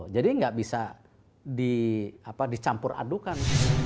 jadi nggak bisa dicampur adukan